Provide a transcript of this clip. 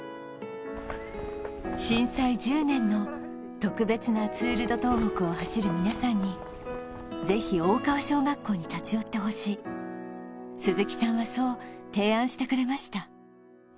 震災１０年の特別なツール・ド・東北を走る皆さんにぜひ大川小学校に立ち寄ってほしい鈴木さんはそう提案してくれました